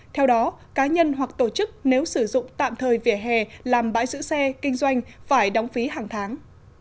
theo đó cá nhân hoặc tổ chức nếu sử dụng tạm thời vỉa hè làm bãi giữ xe kinh doanh phải đóng phí hàng tháng